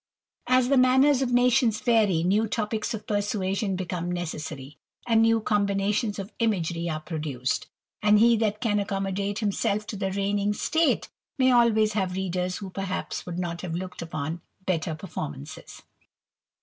■^s th6 manners of nations vary, new topicks of persuasion ^^come necessary, and new combinations of imagery are ^^oduced ; and he that can accommodate himself to the ^^igning taste, may always have readers who perhaps would ^Ot have looked upon better performances.